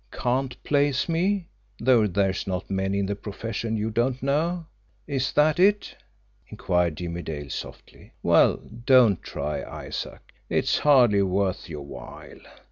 "Can't place me though there's not many in the profession you don't know? Is that it?" inquired Jimmie Dale softly. "Well, don't try, Isaac; it's hardly worth your while.